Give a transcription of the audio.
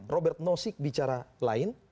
robert nosik bicara lain